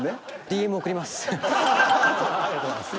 ありがとうございます。